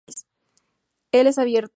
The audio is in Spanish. Él es abierto.